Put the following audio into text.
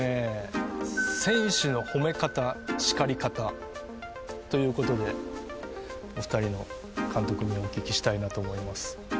「選手の褒め方叱り方」ということでお二人の監督にお聞きしたいなと思います。